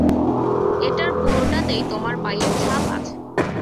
এটার পুরোটাতেই তোমার পায়ের ছাপ আছে।